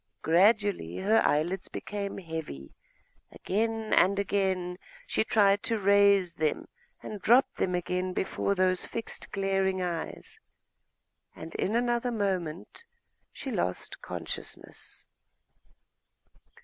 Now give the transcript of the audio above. Gradually her eyelids became heavy; again and again she tried to raise them, and dropped them again before those fixed glaring eyes...., and in another moment she lost consciousness....